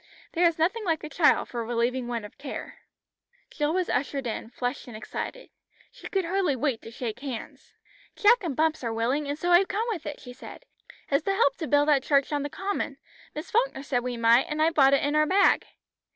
There is nothing like a child for relieving one of care." Jill was ushered in, flushed and excited. She could hardly wait to shake hands. "Jack and Bumps are willing, and so I've come with it," she said. "It's to help to build that church on the common. Miss Falkner said we might, and I've brought it in our bag."